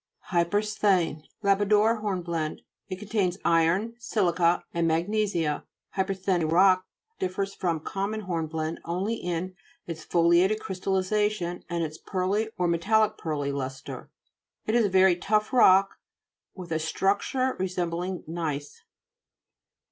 HY'PERSTHENE Labrador horn blende. It contains iron, si'lica and magnesia. Hypersthene rock dif fers from common hornblende only in its foliated crystallization and its pearly or metallic pearly lustre. It is a very tough rock, with a struc ture resembling gneiss.